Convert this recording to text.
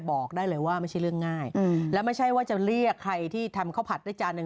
บอกได้เลยว่าไม่ใช่เรื่องง่ายแล้วไม่ใช่ว่าจะเรียกใครที่ทำข้าวผัดได้จานหนึ่ง